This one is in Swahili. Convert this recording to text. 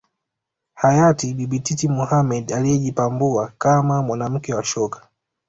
Hayati Bibi Titi Mohamed aliyejipambua kama mwanamke wa shoka